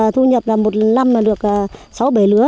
thu nhập một năm là được sáu bảy lứa